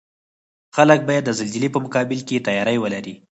خلک باید د زلزلې په مقابل کې تیاری ولري